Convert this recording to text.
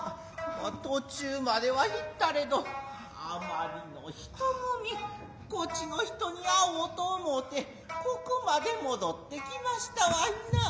途中までは行ったれどあまりの人ごみこちの人に逢うと思うてここまで戻って来ましたワイナァ。